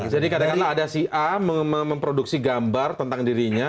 jadi kadang kadang ada si a memproduksi gambar tentang dirinya